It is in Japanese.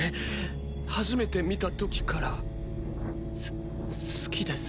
初めて見たときからす好きです